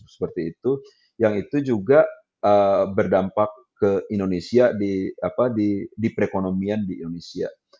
seperti itu yang itu juga berdampak ke indonesia di perekonomian di indonesia